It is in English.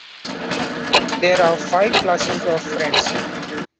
There are five classes of Friends.